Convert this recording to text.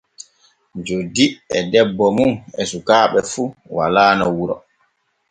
Joddi e debbo mum e sukaaɓe fu walaano wuro.